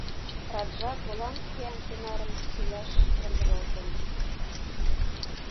Раджа голландский амтенарым сийлаш ямдылалтын.